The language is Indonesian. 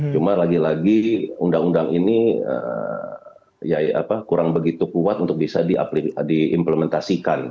cuma lagi lagi undang undang ini kurang begitu kuat untuk bisa diimplementasikan